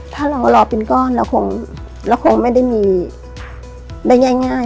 ถ้าเรารอเป็นก้อนเราคงเราคงไม่ได้มีได้ง่าย